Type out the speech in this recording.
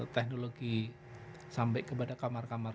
teknologi sampai kepada kamar kamar